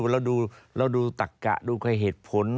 เราดูดูตักะดูใครเหตรผล